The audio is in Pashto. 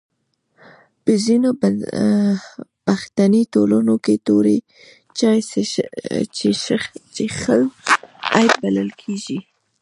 په ځینو پښتني ټولنو کي توري چای چیښل عیب بلل کیږي.